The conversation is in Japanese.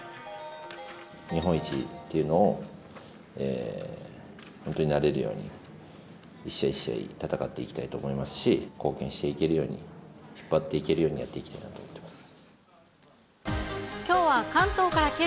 日本一っていうのを、本当になれるように、一試合一試合戦っていきたいと思いますし、貢献していけるように、引っ張っていけるようにやっていきたいと思っています。